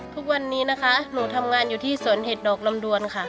ทุกวันนี้นะคะหนูทำงานอยู่ที่สวนเห็ดดอกลำดวนค่ะ